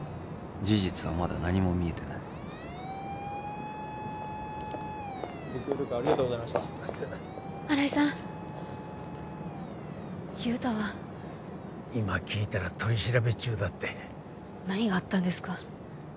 事実はまだ何も見えてないご協力ありがとうございました新井さん雄太は今聞いたら取り調べ中だって何があったんですか？